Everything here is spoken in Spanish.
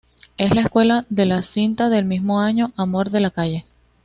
Es la secuela de la cinta del mismo año "Amor de la calle".